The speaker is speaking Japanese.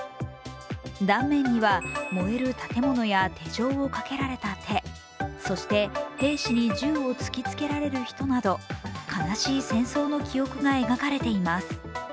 断面には、燃える建物や手錠をかけられた手、そして、兵士に銃を突きつけられる人など悲しい戦争の記憶が描かれています。